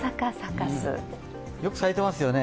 よく咲いていますよね。